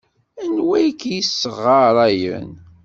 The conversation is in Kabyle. Anwa ay k-yessɣarayen?